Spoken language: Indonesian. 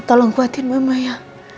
tolong kuatkan mama ya